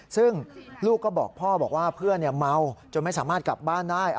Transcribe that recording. ซึ่งลูกก็บอกพ่อบอกว่าเพื่อนเมาจนไม่สามารถกลับบ้านได้